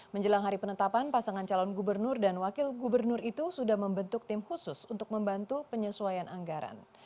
menjelang hari penetapan pasangan calon gubernur dan wakil gubernur itu sudah membentuk tim khusus untuk membantu penyesuaian anggaran